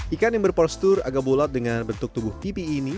ikan yang berpostur agak bulat dengan bentuk tubuh pipi ini